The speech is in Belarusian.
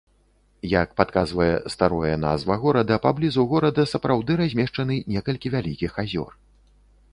Як падказвае старое назва горада, паблізу горада сапраўды размешчаны некалькі вялікіх азёр.